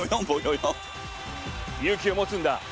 勇気を持つんだ！